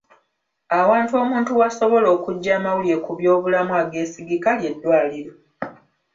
Awantu omuntu wasobola okuggya amawulire ku byoblamu ageesigika ly'eddwaliro.